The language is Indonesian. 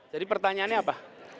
jadi pertanyaannya apa